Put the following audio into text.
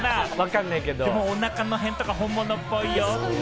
でも、おなからへんとか本物っぽいよ。